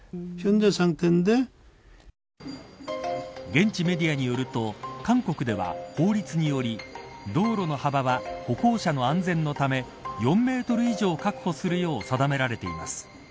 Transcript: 現地メディアによると韓国では法律により道路の幅は歩行者の安全のため４メートル以上確保するよう定められています。